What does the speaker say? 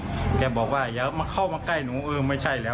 เขาบอกว่าอย่าเข้ามาใกล้หนูไม่ใช่แล้ว